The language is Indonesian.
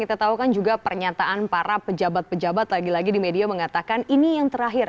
kita tahu kan juga pernyataan para pejabat pejabat lagi lagi di media mengatakan ini yang terakhir